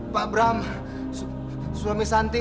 pak bram suami santi